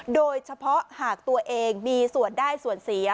โดยเฉพาะหากตัวเองมีส่วนได้ส่วนเสีย